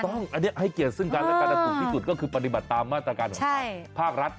ต้องอันนี้ให้เกียรติซึ่งกันและกันถูกที่สุดก็คือปฏิบัติตามมาตรการของภาครัฐ